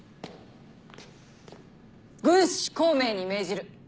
軍師孔明に命じる。